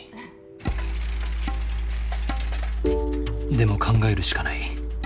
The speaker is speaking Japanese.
でも考えるしかない。